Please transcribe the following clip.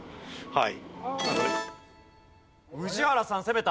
はい。